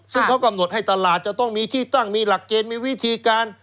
ซึ่งเขากำหนดให้ตลาดจะต้องมีที่ตั้งมีหลักเกณฑ์มีวิธีการ